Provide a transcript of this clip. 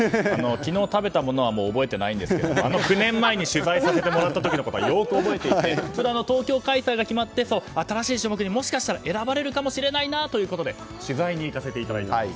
昨日食べたものはもう覚えてないんですけどあの９年前に取材させてもらった時のことは覚えていて東京開催が決まって新しい種目にもしかしたら選ばれるかもしれないなということで取材に行かせてもらったんです。